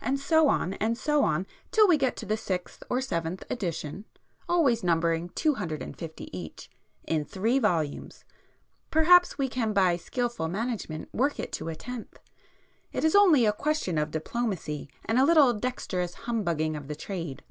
And so on, and so on, till we get to the sixth or seventh edition (always numbering two hundred and fifty each) in three volumes; perhaps we can by skilful [p 99] management work it to a tenth. It is only a question of diplomacy and a little dexterous humbugging of the trade.